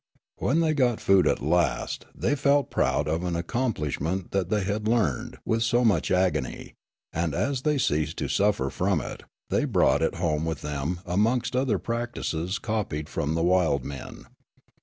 When they got food at last, they felt proud of an accomplish ment that they had learned with so much agony, and, as they had ceased to suffer from it, they brought it home with them amongst other practices copied from the wild men.